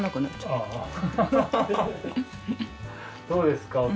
どうですか？